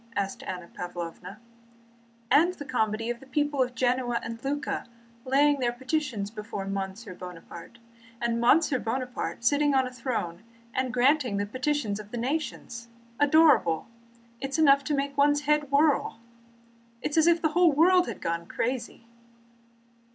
asked Anna Pávlovna, "and of the comedy of the people of Genoa and Lucca laying their petitions before Monsieur Buonaparte, and Monsieur Buonaparte sitting on a throne and granting the petitions of the nations? Adorable! It is enough to make one's head whirl! It is as if the whole world had gone crazy."